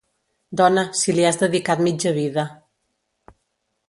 Dona, si li has dedicat mitja vida.